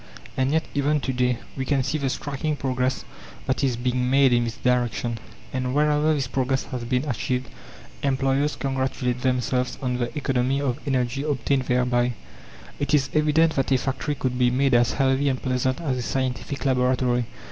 And yet even to day we can see the striking progress that is being made in this direction; and wherever this progress has been achieved, employers congratulate themselves on the economy of energy obtained thereby. It is evident that a factory could be made as healthy and pleasant as a scientific laboratory.